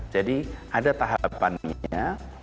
jadi ada tahapannya